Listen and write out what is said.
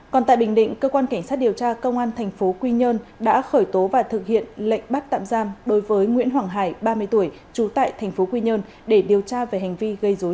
còn tại bình định cơ quan cảnh sát điều tra công an tp quy nhơn đã khởi tố và thực hiện lệnh bắt tạm giam đối với nguyễn hoàng hải